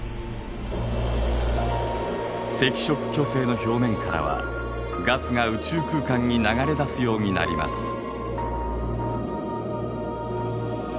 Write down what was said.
赤色巨星の表面からはガスが宇宙空間に流れ出すようになります。